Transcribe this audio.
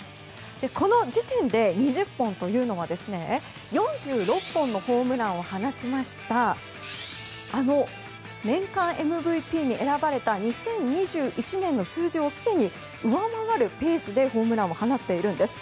この時点で２０本というのは４６本のホームランを放ちましたあの年間ＭＶＰに選ばれた２０２１年の数字をすでに上回るペースでホームランを放っているんです。